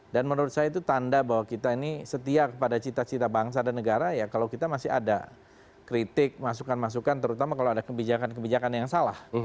dan menurut saya itu tanda bahwa kita ini setia kepada cita cita bangsa dan negara ya kalau kita masih ada kritik masukan masukan terutama kalau ada kebijakan kebijakan yang salah